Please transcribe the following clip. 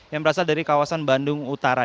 yang berasal dari kawasan bandung utara